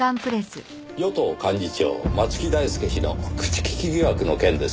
与党幹事長松木大輔氏の口利き疑惑の件ですね。